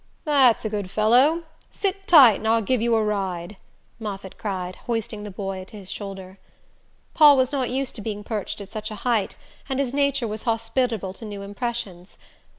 "That's a good fellow sit tight and I'll give you a ride," Moffatt cried, hoisting the boy to his shoulder. Paul was not used to being perched at such a height, and his nature was hospitable to new impressions.